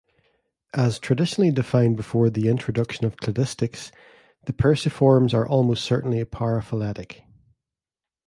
As traditionally defined before the introduction of cladistics, the Perciformes are almost certainly paraphyletic.